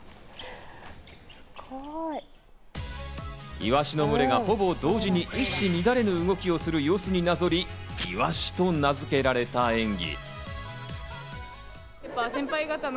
イワシの群れがほぼ同時に一糸乱れぬ動きをする様子になぞり、「イワシ」と名付けられた演技。